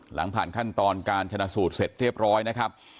หลังผ่านขั้นตอนการชนะสูตรเสร็จเรียบร้อยนะครับ